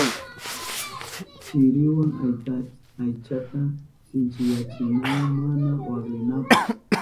Chiriwa aychata sinchiyachinahun mana waklinanpa.